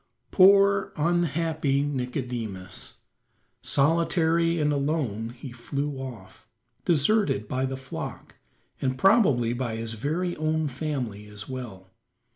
Poor, unhappy Nicodemus! Solitary and alone he flew off, deserted by the flock, and probably by his very own family as well.